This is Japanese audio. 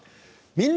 「みんな！